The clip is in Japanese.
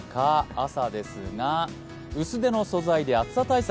朝ですが、薄手の素材で暑さ対策。